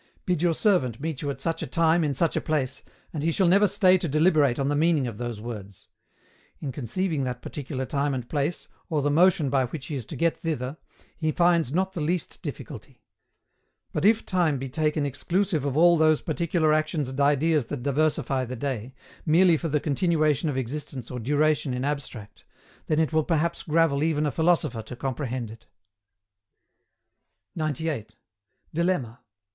Bid your servant meet you at such a time in such a place, and he shall never stay to deliberate on the meaning of those words; in conceiving that particular time and place, or the motion by which he is to get thither, he finds not the least difficulty. But if time be taken exclusive of all those particular actions and ideas that diversify the day, merely for the continuation of existence or duration in abstract, then it will perhaps gravel even a philosopher to comprehend it. 98. DILEMMA.